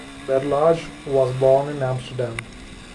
Berlage was born in Amsterdam.